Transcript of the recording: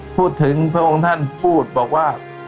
พูดถึงพระองค์ท่านพูดบอกว่า